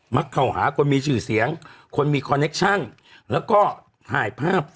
เข้าหาคนมีชื่อเสียงคนมีคอนเนคชั่นแล้วก็ถ่ายภาพ